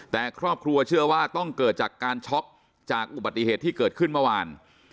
แต่ครอบครัวเชื่อว่าต้องเกิดจากการช็อกจากอุบัติเหตุที่เกิดขึ้นเมื่อวาน